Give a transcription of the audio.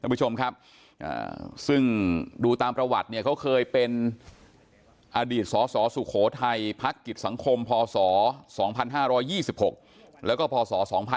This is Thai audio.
ผู้ชมครับซึ่งดูตามประวัติเนี่ยเขาเคยเป็นอดีตสสสุโขทัยพักกิจสังคมพศ๒๕๒๖แล้วก็พศ๒๕๖๒